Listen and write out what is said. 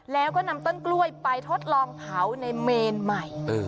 แล้วก็นำต้นกล้วยไปทดลองเผาในเมนใหม่